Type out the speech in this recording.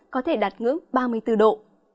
có thể đạt ngưỡng ba mươi bốn độ